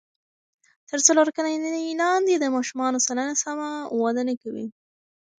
تر څلور کلنۍ لاندې د ماشومانو سلنه سمه وده نه کوي.